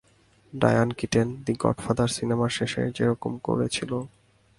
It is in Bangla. ডায়ান কিটেন, দি গডদাদার সিনেমার শেষে যেরকম করেছিলো।